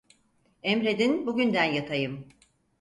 Emredin bugünden yatayım.